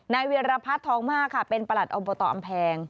นายเวียรพัฒน์ท้องมากเป็นประหลัดอำบตออำแพง